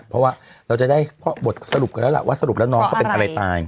เพราะว่าเราจะได้เพราะบทสรุปกันแล้วล่ะว่าสรุปแล้วน้องเขาเป็นอะไรตาย